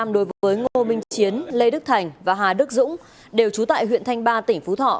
đối với ngô minh chiến lê đức thành và hà đức dũng đều trú tại huyện thanh ba tỉnh phú thọ